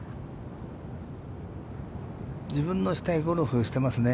自分のしたいゴルフをしていますね。